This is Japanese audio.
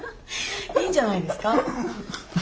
いいんじゃないですか？